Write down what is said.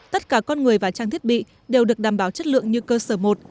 tất cả con người và trang thiết bị đều được đảm bảo chất lượng như cơ sở một